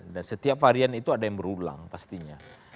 dan setiap varian itu ada yang berulang pastinya